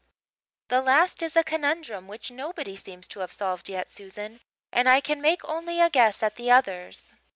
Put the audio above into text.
"That last is a conundrum which nobody seems to have solved yet, Susan. And I can make only a guess at the others."